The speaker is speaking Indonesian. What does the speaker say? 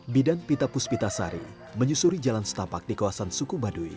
bidan pita puspita sari menyusuri jalan setapak di kawasan suku baduy